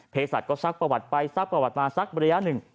สัตว์ก็ซักประวัติไปซักประวัติมาสักระยะหนึ่ง